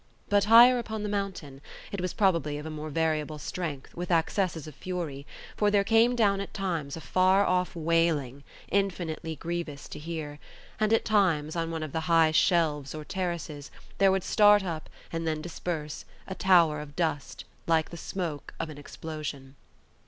But higher upon the mountain, it was probably of a more variable strength, with accesses of fury; for there came down at times a far off wailing, infinitely grievous to hear; and at times, on one of the high shelves or terraces, there would start up, and then disperse, a tower of dust, like the smoke of an explosion.